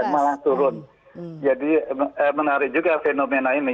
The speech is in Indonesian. malah turun jadi menarik juga fenomena ini